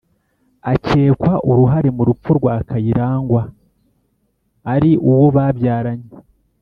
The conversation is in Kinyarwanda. akekwa uruhare mu rupfu rwa Kayirangwa ari uwo babyaranye